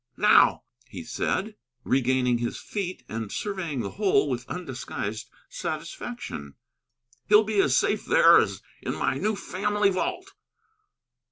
"Now," he said, regaining his feet and surveying the whole with undisguised satisfaction, "he'll be as safe there as in my new family vault."